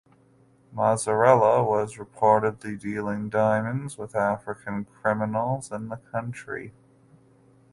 Mazzarella was reportedly dealing diamonds with African criminals in the country.